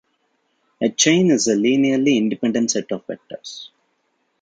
A chain is a linearly independent set of vectors.